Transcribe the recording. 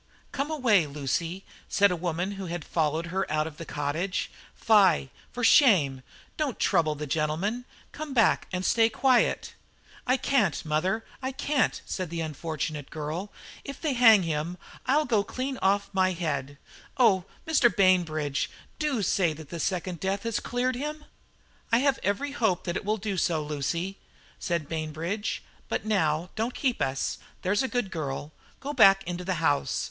"Come away, Lucy," said a woman who had followed her out of the cottage; "Fie for shame! don't trouble the gentlemen; come back and stay quiet." "I can't, mother, I can't," said the unfortunate girl. "If they hang him, I'll go clean off my head. Oh, Mr. Bainbridge, do say that the second death has cleared him!" "I have every hope that it will do so, Lucy," said Bainbridge, "but now don't keep us, there's a good girl; go back into the house.